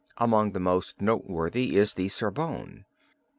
Among the most noteworthy is the Sorbonne.